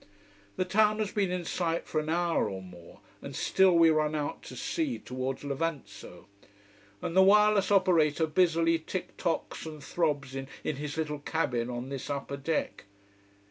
The town has been in sight for an hour or more: and still we run out to sea towards Levanzo. And the wireless operator busily tick tocks and throbs in his little cabin on this upper deck.